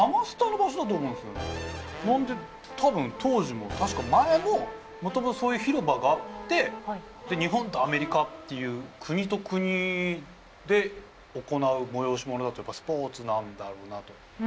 なので多分当時も確か前ももともとそういう広場があってで日本とアメリカっていう国と国で行う催し物だとやっぱスポーツなんだろうなと。